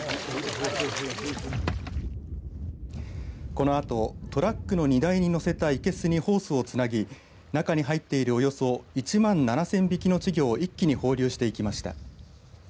このあとトラックの荷台に載せた生けすにホースをつなぎ中に入っている、およそ１万７０００匹の稚魚を一気に放流していきました。